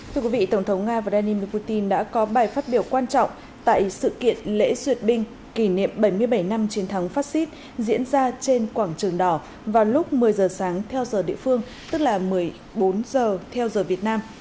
thưa quý vị tổng thống nga vladimir putin đã có bài phát biểu quan trọng tại sự kiện lễ duyệt binh kỷ niệm bảy mươi bảy năm chiến thắng fascist diễn ra trên quảng trường đỏ vào lúc một mươi giờ sáng theo giờ địa phương tức là một mươi bốn giờ theo giờ việt nam